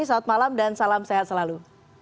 selamat malam dan salam sehat selalu